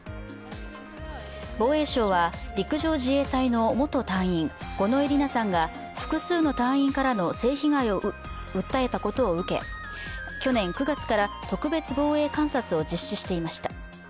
防衛省は、陸上自衛隊の元隊員五ノ井里奈さんが複数の隊員からの性被害を訴えたことを受け去年９月から特別防衛監察を実施していました。